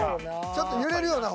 ちょっと揺れるよな。